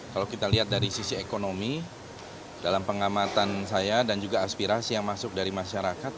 kalau kita lihat dari sisi ekonomi dalam pengamatan saya dan juga aspirasi yang masuk dari masyarakat